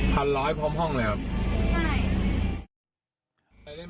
พันร้อยพร้อมห้องเลยครับใช่